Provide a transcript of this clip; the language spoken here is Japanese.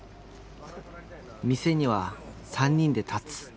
店には３人で立つ。